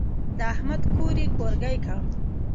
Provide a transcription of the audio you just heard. د احمد کور يې کورګی کړ.